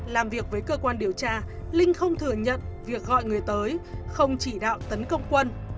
làm việc với cơ quan điều tra linh không thừa nhận việc gọi người tới không chỉ đạo tấn công quân